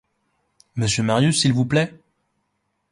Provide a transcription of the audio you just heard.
Monsieur Marius, s'il vous plaît?